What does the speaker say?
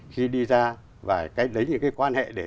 khi đi ra và lấy những quan hệ